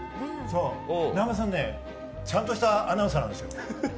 南波さん、ちゃんとしたアナウンサーなんですよ。